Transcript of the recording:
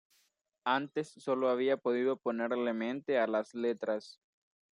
Antes sólo había podido ponerle "mente" a las letras.